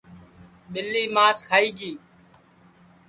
ٻیلی ماس کھائی گی